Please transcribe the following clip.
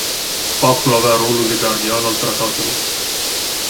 Pactul avea rolul de gardian al tratatelor.